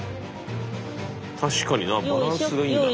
確かになバランスがいいんだな。